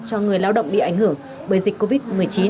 cho người lao động bị ảnh hưởng bởi dịch covid một mươi chín